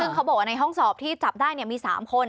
ซึ่งเขาบอกว่าในห้องสอบที่จับได้มี๓คน